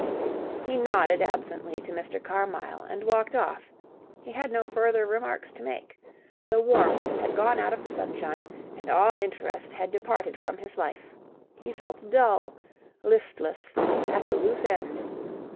He nodded absently to Mr. Carmyle and walked off. He had no further remarks to make. The warmth had gone out of the sunshine and all interest had departed from his life. He felt dull, listless, at a loose end.